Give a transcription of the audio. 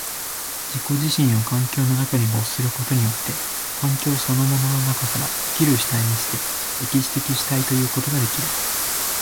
自己自身を環境の中に没することによって、環境そのものの中から生きる主体にして、歴史的主体ということができる。